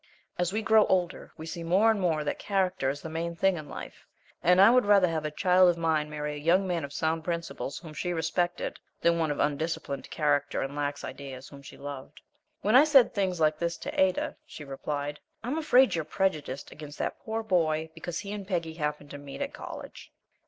As we grow older we see more and more that character is the main thing in life, and I would rather have a child of mine marry a young man of sound principles whom she respected than one of undisciplined character and lax ideas whom she loved. When I said things like this to Ada, she replied: "I'm afraid you're prejudiced against that poor boy because he and Peggy happened to meet at college."